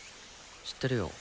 知ってるよ。